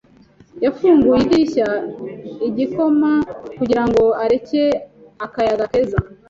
yafunguye idirishya igikoma kugirango areke akayaga keza.